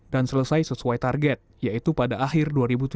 dan selesai sesuai target yaitu pada akhir dua ribu tujuh belas